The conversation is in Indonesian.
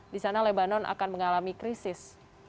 di sana lebanon akan mengalami krisis